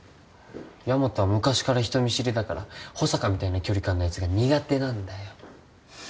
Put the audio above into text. ヤマトは昔から人見知りだから保坂みたいな距離感のヤツが苦手なんだよ